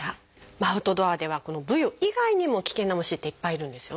アウトドアではこのブヨ以外にも危険な虫っていっぱいいるんですよね。